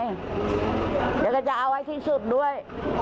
เดี๋ยวก็จะเอาไว้ที่สุดด้วย